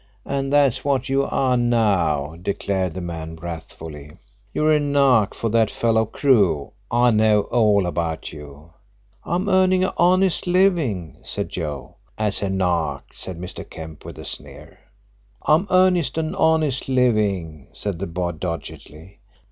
"And that's what you are now," declared the man wrathfully. "You're a nark for that fellow Crewe. I know all about you." "I'm earning an honest living," said Joe. "As a nark," said Mr. Kemp, with a sneer. "I'm earning an honest living," said the boy doggedly.